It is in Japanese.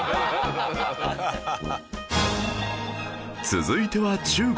続いては中国